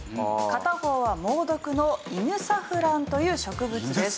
片方は猛毒のイヌサフランという植物です。